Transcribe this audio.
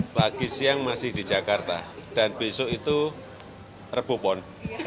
pagi siang masih di jakarta dan besok itu rebopon